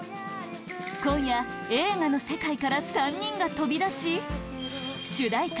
今夜、映画の世界から３人が飛び出し主題歌